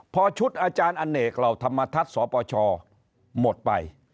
พอชุดอาจารย์อเนกเหล่าธรรมทัศน์สปชหมดไป